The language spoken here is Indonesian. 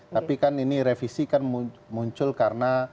tapi kan ini revisi kan muncul karena